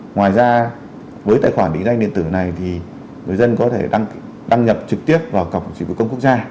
ngoài ra với tài khoản định danh điện tử này thì người dân có thể đăng nhập trực tiếp vào cổng dịch vụ công quốc gia